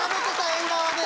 縁側で。